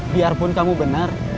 biarpun kamu benar